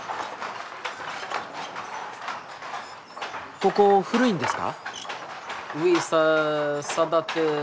ここ古いんですか？